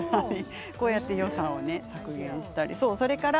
こうやって予算を削減しています。